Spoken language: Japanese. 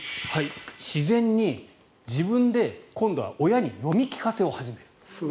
自然に今度は親に読み聞かせを始める。